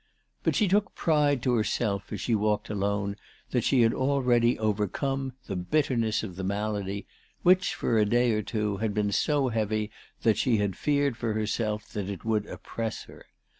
But she took pride to herself as she walked alone that she had already overcome the bitterness of the malady which, for a day or two, had been so heavy that she had feared for herself that it would oppress her.